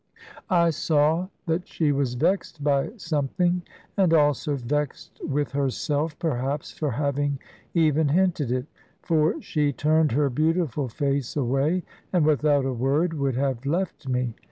I saw that she was vexed by something, and also vexed with herself, perhaps, for having even hinted it. For she turned her beautiful face away, and without a word would have left me.